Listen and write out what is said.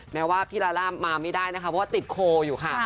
แม้ว่าพี่ลาล่ามาไม่ได้นะคะเพราะว่าติดโคอยู่ค่ะ